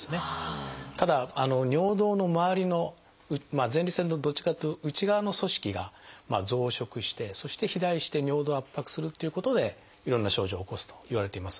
ただ尿道のまわりの前立腺のどっちかっていうと内側の組織が増殖してそして肥大して尿道を圧迫するっていうことでいろんな症状を起こすといわれています。